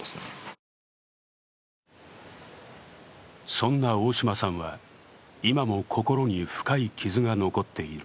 そんな大島さんは、今も心に深い傷が残っている。